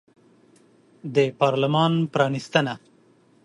د پارلمان پرانیستنه